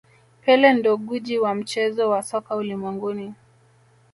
pele ndo gwiji wa mchezo wa soka ulimwenguni